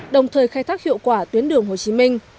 đồng thời khai thác hiệu quả tuyến đường hồ chí minh